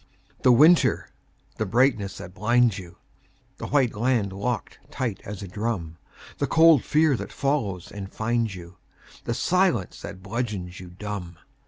The winter! the brightness that blinds you, The white land locked tight as a drum, The cold fear that follows and finds you, The silence that bludgeons you dumb.